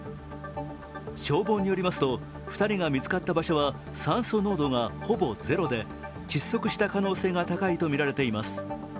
消防によりますと、２人が見つかった場所は酸素濃度がほぼゼロで窒息した可能性が高いとみられています。